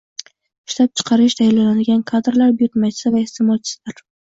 Ishlab chiqarish tayyorlanadigan kadrlar buyurtmachisi va iste’molchisidir